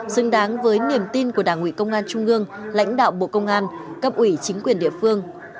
xứng đáng với niềm tin của đảng ủy công an trung ương lãnh đạo bộ công an cấp ủy chính quyền địa phương